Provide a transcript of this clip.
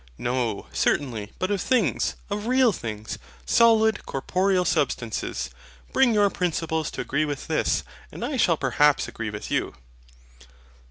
No, certainly, but of things, of real things, solid corporeal substances. Bring your principles to agree with this, and I shall perhaps agree with you.